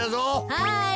はい。